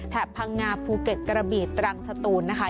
พังงาภูเก็ตกระบีตรังสตูนนะคะ